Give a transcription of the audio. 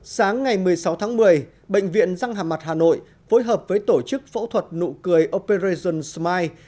sáng ngày một mươi sáu tháng một mươi bệnh viện răng hà mặt hà nội phối hợp với tổ chức phẫu thuật nụ cười operation smile